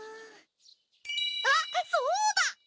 あっそうだ。